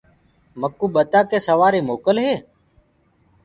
مڪوُ ڀتآن ڪي سوري موڪل هي۔